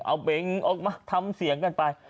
เอาเบงออกมาทำเสียงกันไป